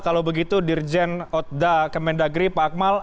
kalau begitu dirjen otda kemendagri pak akmal